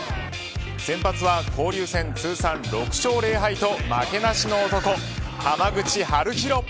先発は交流戦、通算６勝０敗と負けなしの男、濱口遥大。